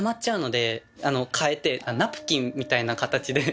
替えてナプキンみたいな形で。